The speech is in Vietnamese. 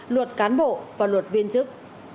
luật cán bộ và luật viên chức